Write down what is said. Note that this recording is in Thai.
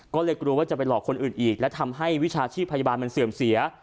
ก็เลยกลัวว่าจะไปหลอกคนอื่นอีกและทำให้วิชาชีพพยาบาลมันเสื่อมเสีย